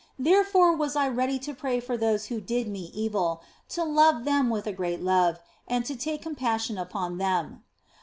Therefore was I very ready to pray for those who did me evil, to love them with a great love, and to take com passion upon them.